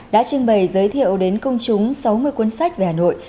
đã trưng bày giới thiệu đến công chúng sáu mươi cuốn sách về hà nội